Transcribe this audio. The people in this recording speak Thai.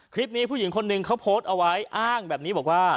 ผู้หญิงคนหนึ่งเขาโพสต์เอาไว้อ้างแบบนี้บอกว่า